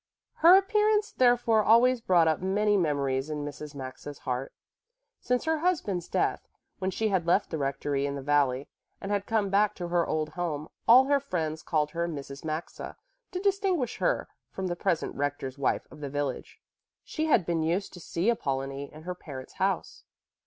Her appearance therefore always brought up many memories in Mrs. Maxa's heart. Since her husband's death, when she had left the rectory in the valley and had come back to her old home, all her friends called her Mrs. Maxa to distinguish her from the present rector's wife of the village. She had been used to see Apollonie in her parents' house.